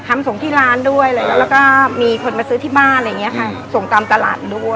ส่งที่ร้านด้วยแล้วก็มีคนมาซื้อที่บ้านอะไรอย่างเงี้ยค่ะส่งตามตลาดด้วย